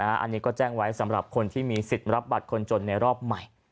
อันนี้ก็แจ้งไว้สำหรับคนที่มีสิทธิ์รับบัตรคนจนในรอบใหม่